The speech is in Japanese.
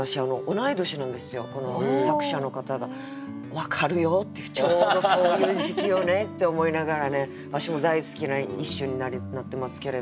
分かるよってちょうどそういう時期よねって思いながらねわしも大好きな一首になってますけれども。